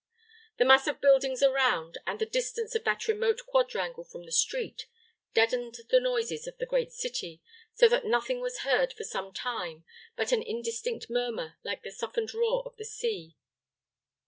The mass of buildings around, and the distance of that remote quadrangle from the street, deadened the noises of the great city, so that nothing was heard for some time but an indistinct murmur, like the softened roar of the sea.